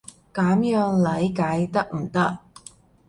噉樣理解得唔得？